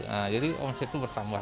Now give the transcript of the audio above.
nah jadi omset itu bertambah